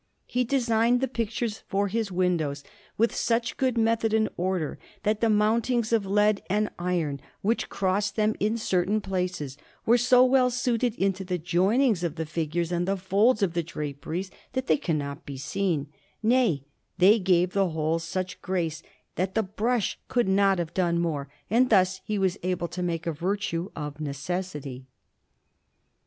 He designed the pictures for his windows with such good method and order, that the mountings of lead and iron, which cross them in certain places, were so well fitted into the joinings of the figures and the folds of the draperies, that they cannot be seen nay, they gave the whole such grace, that the brush could not have done more and thus he was able to make a virtue of necessity.